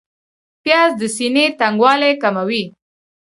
پیاز د سینې تنګوالی کموي